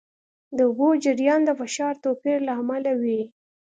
د اوبو جریان د فشار توپیر له امله وي.